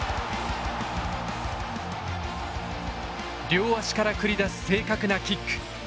両足から繰り出す正確なキック。